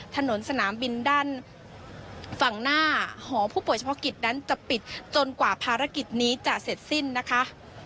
สนามบินด้านฝั่งหน้าหอผู้ป่วยเฉพาะกิจนั้นจะปิดจนกว่าภารกิจนี้จะเสร็จสิ้นนะคะ